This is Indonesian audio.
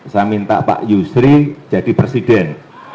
saya minta pak yusri jadi presiden